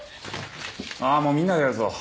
ああもうみんなでやるぞ。